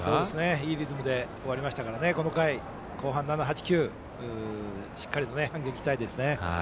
いいリズムで終わりましたから、この回から後半の７、８、９しっかりと動きたいですね。